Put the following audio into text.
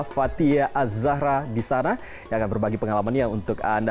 fathia azhara disana yang akan berbagi pengalaman yang untuk anda